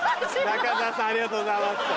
「中澤さんありがとうございます」と。